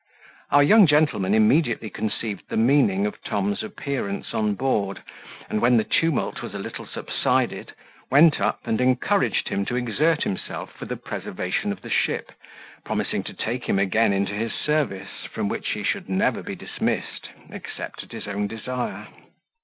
Our young gentleman immediately conceived the meaning of Tom's appearance on board; and when the tumult was a little subsided, went up, and encouraged him to exert himself for the preservation of the ship, promising to take him again into his service, from which he should never be dismissed, except at his own desire.